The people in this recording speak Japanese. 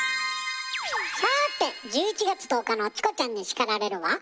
さて１１月１０日の「チコちゃんに叱られる」は？